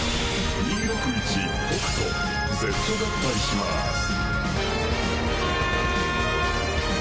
２６１ホクトＺ合体します。